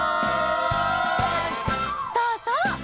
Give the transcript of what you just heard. そうそう！